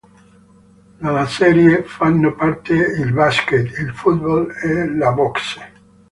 Della serie fanno parte il basket, il football e la boxe.